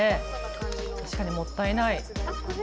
確かに、もったいない。